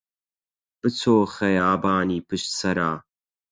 بچۆ خەیابانی پشت سەرا